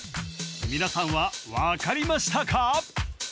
皆さんは分かりましたか？